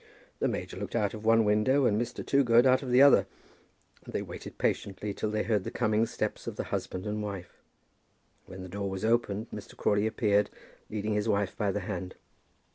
The major looked out of one window and Mr. Toogood out of the other, and they waited patiently till they heard the coming steps of the husband and wife. When the door was opened, Mr. Crawley appeared, leading his wife by the hand.